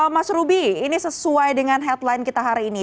mas ruby ini sesuai dengan headline kita hari ini